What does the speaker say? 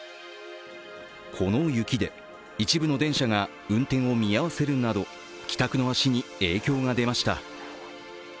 この雪で一部の電車が運転を見合わせるなど帰宅の足に影響が出ました。